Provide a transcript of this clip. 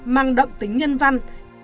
mang động tính nhân văn